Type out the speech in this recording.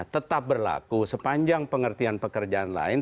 tetap berlaku sepanjang pengertian pekerjaan lain